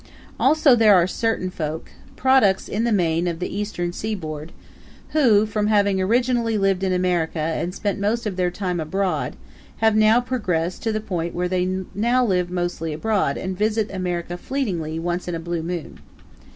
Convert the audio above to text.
Also there are certain folk products, in the main, of the Eastern seaboard who, from having originally lived in America and spent most of their time abroad, have now progressed to the point where they now live mostly abroad and visit America fleetingly once in a blue moon.